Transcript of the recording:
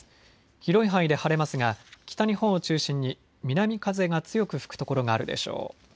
広い範囲で晴れますが北日本を中心に南風が強く吹く所があるでしょう。